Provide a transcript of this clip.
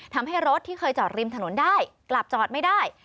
ทำให้รถที่เคยจอดริมถนนได้กลับจอดไม่ได้